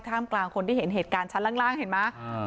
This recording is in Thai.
กลางคนที่เห็นเหตุการณ์ชั้นล่างเห็นไหม